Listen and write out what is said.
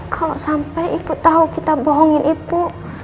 kalau sampai ibu tahu kita bohongin ibu